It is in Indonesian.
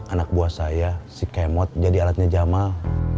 anak buah saya si kemot jadi alatnya jamal